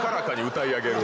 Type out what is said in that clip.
歌い上げる。